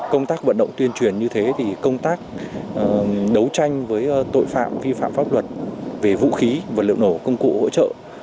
công tác vận động tuyên truyền như thế thì công tác đấu tranh với tội phạm vi phạm pháp luật về vũ khí vật liệu nổ công cụ hỗ trợ